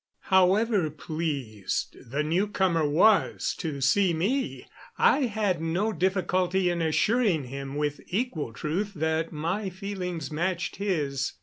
However pleased the newcomer was to see me, I had no difficulty in assuring him with equal truth that my feelings matched his.